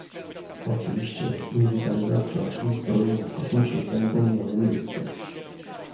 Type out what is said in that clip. Oczywiście militaryzacja i zbrojenia w kosmosie będą miały miejsce